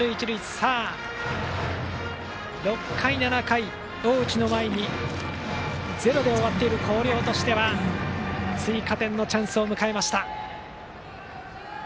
さあ、６回７回と大内の前にゼロで終わっている広陵としては追加点のチャンスを迎えました。